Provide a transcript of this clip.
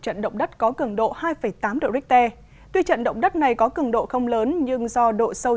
trận động đất có cường độ hai tám độ richter tuy trận động đất này có cường độ không lớn nhưng do độ sâu